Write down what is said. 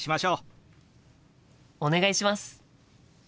お願いします。